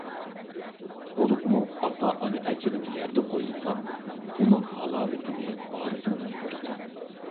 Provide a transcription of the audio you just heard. بولۇپمۇ ئاتا-ئانا ئەجرىنى يەردە قويمىساڭ، ئۇنىڭ ھالاۋىتىنى ۋارىسىڭدىن كۆرىسەن.